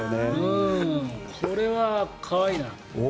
これは可愛いな。